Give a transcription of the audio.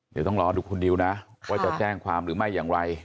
เดี๋ยวต้องรอดูคุณดิวนะว่าจะแจ้งความหรือไม่อย่างไร